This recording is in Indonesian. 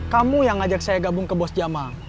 kamu yang ngajak saya gabung ke bos jamal